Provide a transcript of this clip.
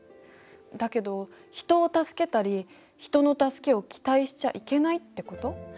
だけど人を助けたり人の助けを期待しちゃいけないってこと？